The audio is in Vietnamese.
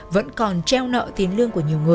vẫn còn treo nợ tiến lộ